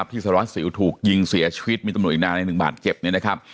ที่สร้างสิวถูกยิงเสียชีวิตมีตำรวจอีกนานใน๑บาทเจ็บ